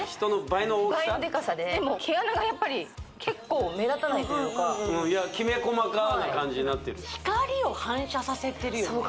倍のデカさででも毛穴がやっぱり結構目立たないというかきめ細かな感じになってる光を反射させてるよね